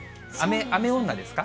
雨女ですか？